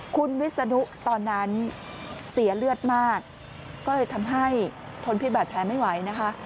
คุณวิศนุตอนนั้นเสียเลือดมากก็เลยทำให้ทนพิษบาดแผลไม่ไหวนะคะ